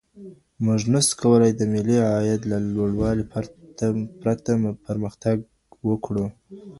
موږ نسو کولای د ملي عاید له لوړوالي پرته پرمختګ وکړو.